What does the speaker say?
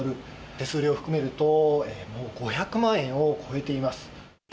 手数料含めると５００万円を超えています。